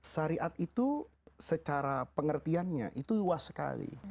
syariat itu secara pengertiannya itu luas sekali